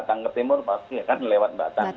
batang ke timur pasti ya kan lewat batang